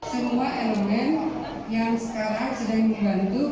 semua elemen yang sekarang sedang dibantu